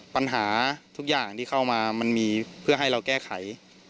ปัญหาทุกอย่างที่เข้ามามันมีเพื่อให้เราแก้ไข